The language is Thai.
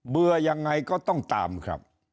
เบื่อยังไงก็ต้องตามครับ